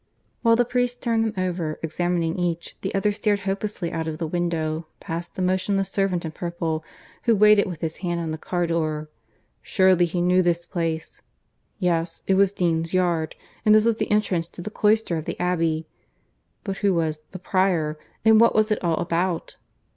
While the priest turned them over, examining each, the other stared hopelessly out of the window, past the motionless servant in purple who waited with his hand on the car door. Surely he knew this place. ... Yes; it was Dean's Yard. And this was the entrance to the cloister of the Abbey. But who was "the Prior," and what was it all about?